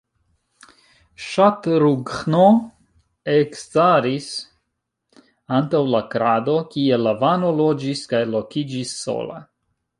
Ŝatrughno ekstaris antaŭ la krado kie Lavano loĝis kaj lokiĝis sola.